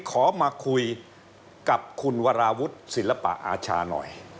ขอมาคุยกับคุณวราวุฒิศิลปะอาชาหน่อย